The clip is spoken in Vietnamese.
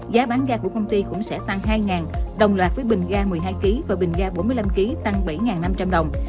giá bán ga của công ty cũng sẽ tăng hai đồng loạt với bình ga một mươi hai kg và bình ga bốn mươi năm kg tăng bảy năm trăm linh đồng